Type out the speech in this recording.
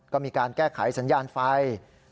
ก็มีการแก้ไขสัญญาณไฟ